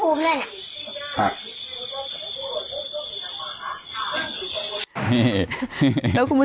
ทีหลังอยากกินเนี่ย